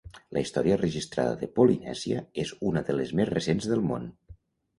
La història registrada de Polinèsia és una de les més recents del món.